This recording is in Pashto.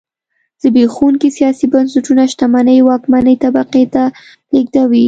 زبېښونکي سیاسي بنسټونه شتمنۍ واکمنې طبقې ته لېږدوي.